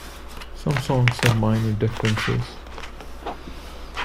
Some songs have minor differences.